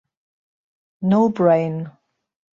No Brain.